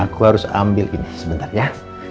aku harus ambil ini sebentar ya